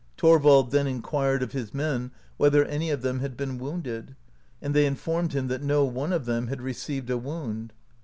Thorvald then inquired of his men whether any of them had been uoiinded, and they in formed hira that no one of timn had received a wound.